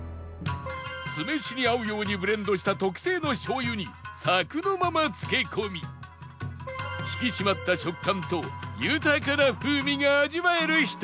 酢飯に合うようにブレンドした特製の醤油にサクのまま漬け込み引き締まった食感と豊かな風味が味わえるひと品